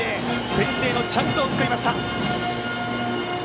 先制のチャンスを作りました。